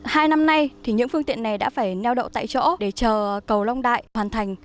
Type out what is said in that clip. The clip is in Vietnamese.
hai năm nay những phương tiện này đã phải neo đậu tại chỗ để chờ cầu long đại hoàn thành